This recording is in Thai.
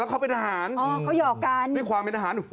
แล้วเขาเป็นอาหาร